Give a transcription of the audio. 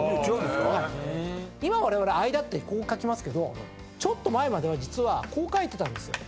今われわれ間ってこう書きますけどちょっと前までは実はこう書いてたんですよ。